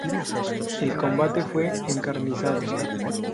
El combate fue encarnizado.